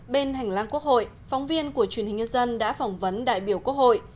bên hành lang quốc hội phóng viên của truyền hình nhân dân đã phỏng vấn đại biểu quốc hội